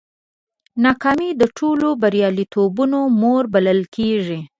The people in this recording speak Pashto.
ناکامي د ټولو بریالیتوبونو مور بلل کېږي.